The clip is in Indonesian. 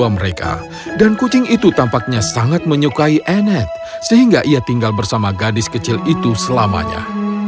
mereka dan kucing itu tampaknya sangat menyukai anet sehingga ia tinggal bersama gadis kecil itu selamanya